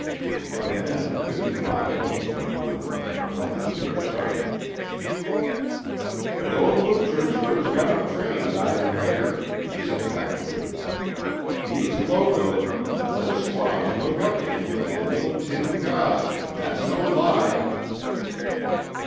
The men of Fifty Mile looked at one another, and Black Pete shuddered. "The ol' moocher sure has got 'em trained, Iron Hair," said Raftery. "He's locoed, but those squaws look up to him like a little tin god, and that's no lie."